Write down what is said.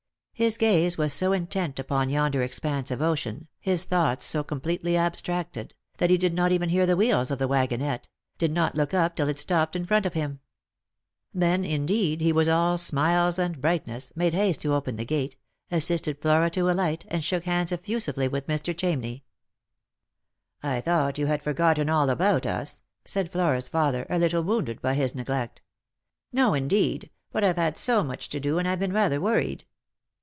His gaze was so intent upon yonder expanse of ocean, his thoughts so com pletely abstracted, that he did not even hear the wheels of the wagonette — 'did not look up till it stopped in front of him. Then, indeed, he was all smiles and brightness, made haste to open the gate, assisted Flora to alight, and shook hands effu sively with Mr. Chamney. "I thought you had forgotten all about us," said Mora's father, a little wounded by his neglect. "No, indeed; but I've had so much to do, and I've been rather worried."